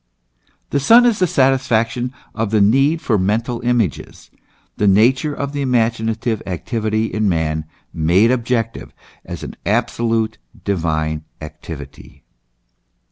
The Son is the satisfaction of the need for mental images, the nature of the imaginative activity in man made objective as an absolute, divine activity.